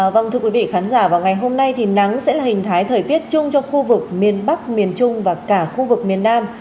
vâng thưa quý vị khán giả vào ngày hôm nay thì nắng sẽ là hình thái thời tiết chung cho khu vực miền bắc miền trung và cả khu vực miền nam